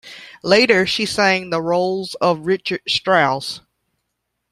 Later she sang the roles of Richard Strauss.